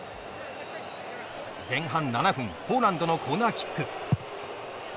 前半７分ポーランドのコーナーキック。